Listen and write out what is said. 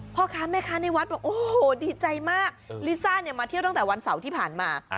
พ่อค้าแม่ค้าในวัดบอกโอ้โหดีใจมากลิซ่าเนี่ยมาเที่ยวตั้งแต่วันเสาร์ที่ผ่านมา